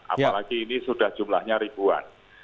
apalagi ini sudah jumlahnya ribuan